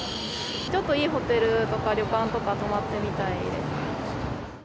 ちょっといいホテルとか、旅館とか泊まってみたいです。